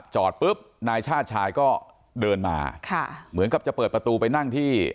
จอดปุ๊บนายชาติชายก็เดินมาค่ะเหมือนกับจะเปิดประตูไปนั่งที่